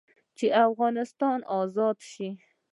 چې افغانستان ازاد سو.